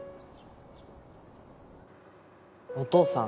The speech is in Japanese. お父さん。